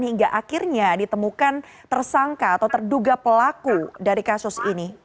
hingga akhirnya ditemukan tersangka atau terduga pelaku dari kasus ini